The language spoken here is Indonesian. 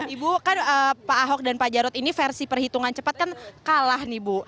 ibu kan pak ahok dan pak jarod ini versi perhitungan cepat kan kalah nih bu